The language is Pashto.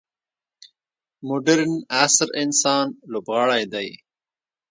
مډرن عصر انسان لوبغاړی دی.